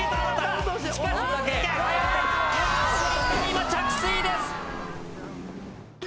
今着水です！